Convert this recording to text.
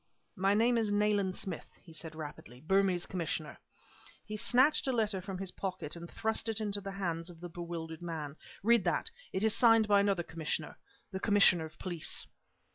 "My name is Nayland Smith," he said rapidly "Burmese Commissioner." He snatched a letter from his pocket and thrust it into the hands of the bewildered man. "Read that. It is signed by another Commissioner the Commissioner of Police."